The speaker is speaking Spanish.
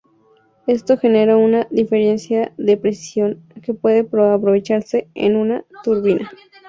Esto genera una diferencia de presión que puede aprovecharse en una turbina.